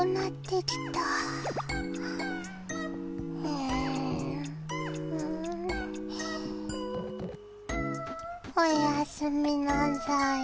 うーん。おやすみなさい。